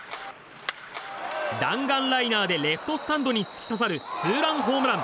弾丸ライナーでレフトスタンドに突き刺さるツーランホームラン。